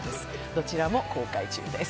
どちらも公開中です。